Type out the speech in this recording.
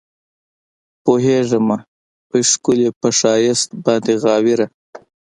پوهېږمه وي ښکلي پۀ ښائست باندې غاوره